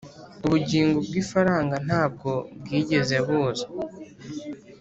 ubugingo bw'ifaranga ntabwo bwigeze buza.